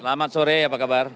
selamat sore apa kabar